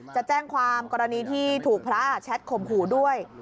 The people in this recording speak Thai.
จะแจ้งความกรณีที่ถูกพระแชทข่มขู่ด้วย